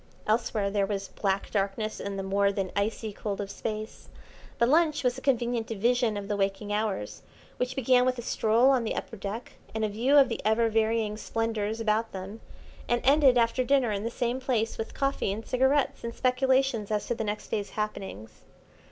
Elsewhere there was black darkness and the more than icy cold of Space; but lunch was a convenient division of the waking hours, which began with a stroll on the upper deck and a view of the ever varying splendours about them, and ended after dinner in the same place with coffee and cigarettes and speculations as to the next day's happenings.